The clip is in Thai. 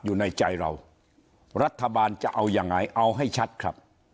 อยู่ในใจเรารัฐบาลจะเอายังไงเอาให้ชัดครับ